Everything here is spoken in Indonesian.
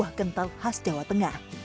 buah kental khas jawa tengah